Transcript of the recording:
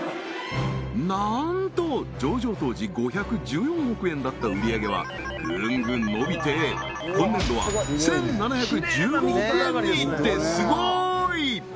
なんと上場当時５１４億円だった売上げはグングン伸びて今年度は１７１５億円にってスゴーい！